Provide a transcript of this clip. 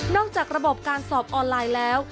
จากระบบการสอบออนไลน์แล้ว